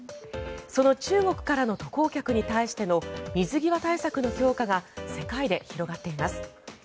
その中国からの渡航客に対しての水際対策の強化が世界で広がっています。